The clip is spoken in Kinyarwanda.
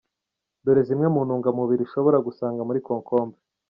Dore zimwe mu ntungamubiri ushobora gusanga muri cocombre.